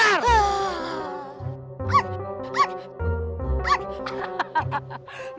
ini adalah mooongggs